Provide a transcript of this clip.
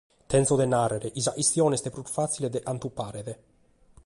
Tèngio de nàrrere chi sa chistione est prus fàcile de cantu paret.